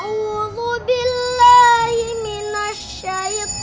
orang orang yang bermartabat